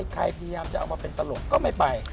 พยายามจะเอามาเป็นตลกก็ไม่ไป